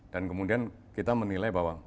dan kemudian kita menilai bahwa